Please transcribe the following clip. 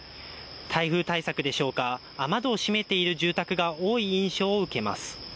台風対策でしょうか雨戸を閉めている住宅が多い印象を受けます。